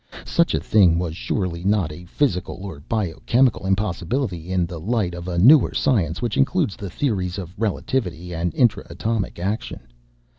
Such a thing was surely not a physical or biochemical impossibility in the light of a newer science which includes the theories of relativity and intra atomic action.